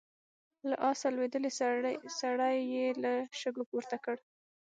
له آسه لوېدلی سړی يې له شګو پورته کړ.